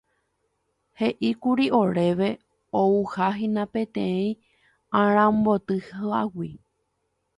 He'íkuri oréve ouhahína peteĩ arambotyhágui.